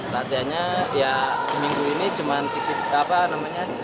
latihannya ya seminggu ini cuman tipis pendek pendek aja